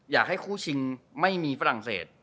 อยากให้คู่ชิงไม่มีฝรั่งเศส